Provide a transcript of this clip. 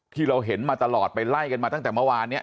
ที่เราเห็นมาตลอดไปไล่กันมาตั้งแต่เมื่อวานเนี่ย